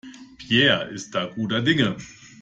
Peer ist da guter Dinge.